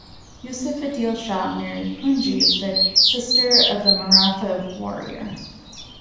Yusuf Adil Shah married Punji, the sister of a Maratha warrior.